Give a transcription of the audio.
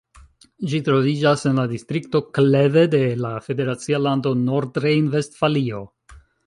Ĝi troviĝas en la distrikto Kleve de la federacia lando Nordrejn-Vestfalio.